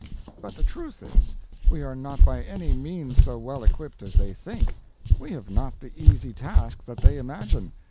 "But the truth is, we are not by any means so well equipped as they think. We have not the easy task that they imagine.